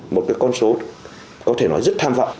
một cái con số có thể nói rất tham vọng